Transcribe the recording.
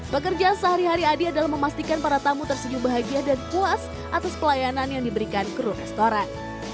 pekerjaan sehari hari adi adalah memastikan para tamu tersenyum bahagia dan puas atas pelayanan yang diberikan kru restoran